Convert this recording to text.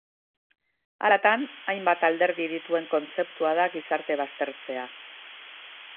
Halatan, hainbat alderdi dituen kontzeptua da gizarte baztertzea.